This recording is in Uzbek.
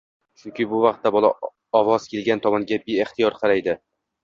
Chunki bu vaqtda bola ovoz kelgan tomonga beixtiyor qaraydi.